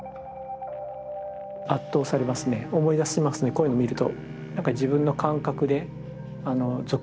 圧倒されますね思い出しますねこういうの見ると。